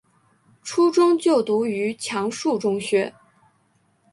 初中就读于强恕中学。